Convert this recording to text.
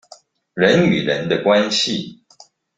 人與人的關係